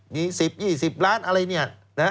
มี๑๐๒๐ล้านอะไรเนี่ย